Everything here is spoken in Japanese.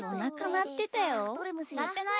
なってないよ。